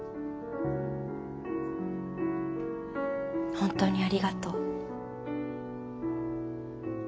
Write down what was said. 本当にありがとう。